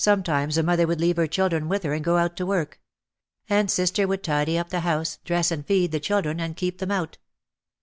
Sometimes a mother would leave her children with her and go out to work. And sister would tidy up the house, dress and feed the children and keep them out.